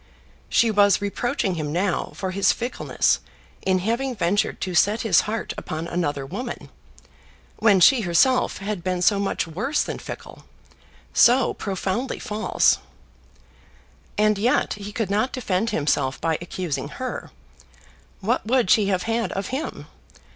She was reproaching him now for his fickleness in having ventured to set his heart upon another woman, when she herself had been so much worse than fickle, so profoundly false! And yet he could not defend himself by accusing her. What would she have had of him?